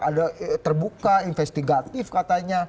ada terbuka investigatif katanya